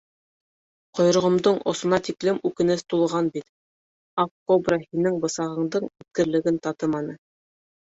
Ҡойроғомдоң осона тиклем үкенес тулған бит: аҡ кобра һинең бысағыңдың үткерлеген татыманы.